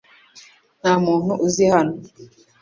Nta muntu uzi hano .